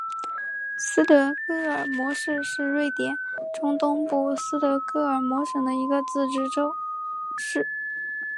斯德哥尔摩市是瑞典中东部斯德哥尔摩省的一个自治市。